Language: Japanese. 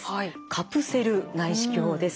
カプセル内視鏡です。